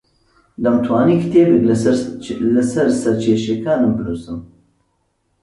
دەمتوانی کتێبێک لەسەر سەرکێشییەکانم بنووسم.